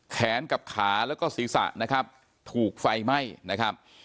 แขนกับขาแล้วก็ศีรษะนะครับถูกไฟไหม้นะครับ